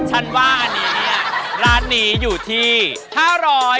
ฉันว่าอันนี้ร้านนี้อยู่ที่๕๘๐ค่ะ